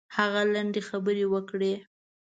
هغه لنډې خبرې وکړې.